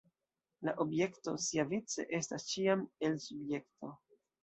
La objekto siavice estas ĉiam “el” subjekto.